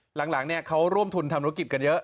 หลังเขาร่วมทุนทำธุรกิจกันเยอะ